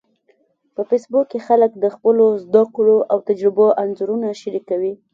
په فېسبوک کې خلک د خپلو زده کړو او تجربو انځورونه شریکوي